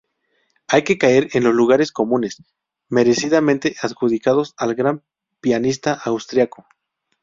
Hay que caer en los lugares comunes, merecidamente adjudicados al gran pianista austriaco.